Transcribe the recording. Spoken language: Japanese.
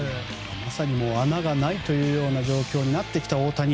まさに穴がないというような状況になってきた大谷。